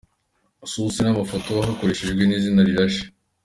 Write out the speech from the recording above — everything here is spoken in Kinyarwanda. Source n’ Amafoto yakoreshejwe ni Izuba rirashe